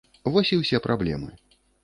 Вось і ўсе праблемы.